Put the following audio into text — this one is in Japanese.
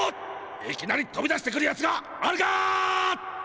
いきなりとび出してくるやつがあるか！